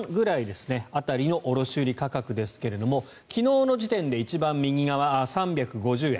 １ｋｇ当たりの卸売価格ですが昨日の時点で一番右側３５０円。